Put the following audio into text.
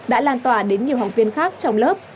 đã lan tỏa đến nhiều học viên khác trong lớp